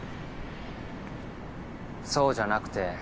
そうじゃなくて。